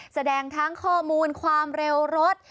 แสดงทั้งข้อมูลความเร็วรถ